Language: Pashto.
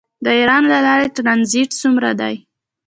د ایران له لارې ټرانزیټ څومره دی؟